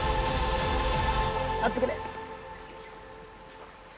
あってくれ！